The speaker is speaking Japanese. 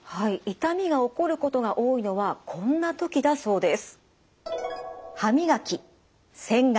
痛みが起こることが多いのはこんな時だそうです。